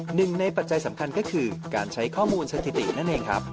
หนึ่งในปัจจัยสำคัญก็คือการใช้ข้อมูลสถิตินั่นเองครับ